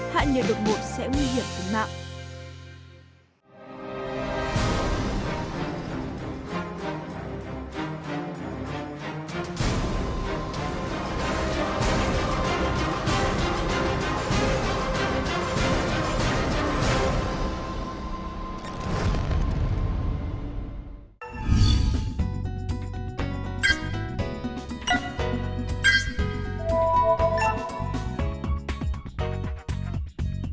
hạn nhiệt đột ngột sẽ nguy hiểm tính mạng